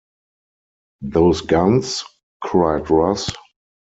“Those guns?” cried Ross.